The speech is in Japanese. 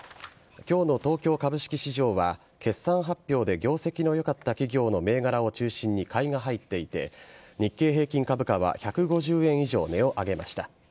今日の東京株式市場は決算発表で業績のよかった企業の銘柄を中心に買いが入っていて日経平均株価は１５０円以上値を上げました。